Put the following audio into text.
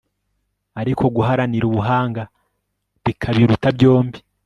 ariko guharanira ubuhanga bikabiruta byombi